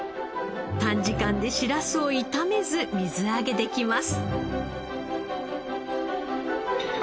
短時間でしらすを傷めず水揚げできます。